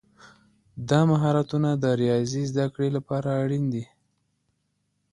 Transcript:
دا مهارتونه د ریاضي زده کړې لپاره اړین دي.